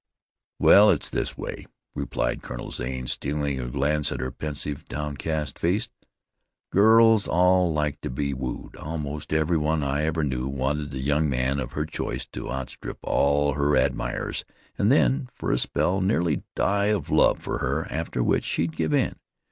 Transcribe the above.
"Well, it's this way," replied Colonel Zane, stealing a glance at her pensive, downcast face. "Girls all like to be wooed. Almost every one I ever knew wanted the young man of her choice to outstrip all her other admirers, and then, for a spell, nearly die of love for her, after which she'd give in.